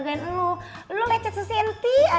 gue kek tempat prima